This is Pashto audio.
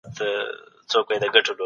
ټولنه د تل لپاره د پرمختګ حال لري.